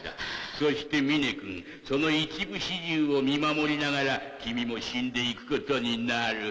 そして峰君その一部始終を見守りながら君も死んで行くことになる。